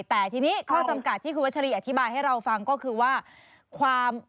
แต่ทีนี้ข้อจำกัดที่คุณวัชรีอธิบายให้เราฟังก็คือว่าความ